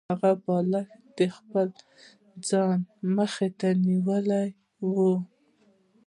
هغه بالښت د خپل ځان مخې ته نیولی و